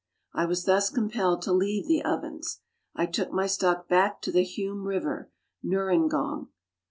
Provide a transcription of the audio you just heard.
I was thus compelled to leave the Ovens. I took my stock back to the Hume River (Nurengong).